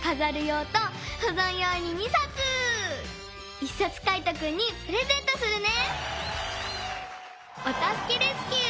１さつカイトくんにプレゼントするね！